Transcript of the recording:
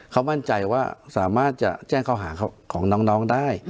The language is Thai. เขามั่นใจว่าสามารถจะแจ้งเขาหาของน้องได้